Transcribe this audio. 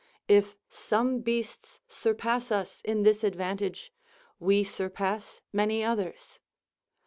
If some beasts surpass us in this advantage, we surpass many others.